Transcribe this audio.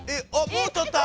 もうとった？